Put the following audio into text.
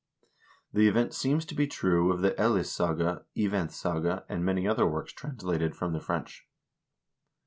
The same seems to be true of the 'Elis saga,' * Iventssaga,' and many other works translated from the French.